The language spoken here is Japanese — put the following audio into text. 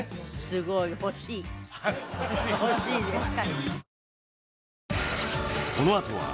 すごい欲しい欲しいです